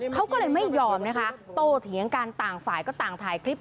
เขาก็เลยไม่ยอมนะคะโตเถียงกันต่างฝ่ายก็ต่างถ่ายคลิป